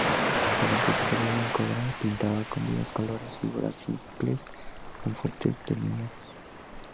Durante su periodo en CoBrA pintaba con vivos colores figuras simples con fuertes delineados.